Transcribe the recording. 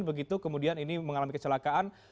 begitu kemudian ini mengalami kecelakaan